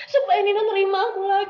supaya nino terima aku lagi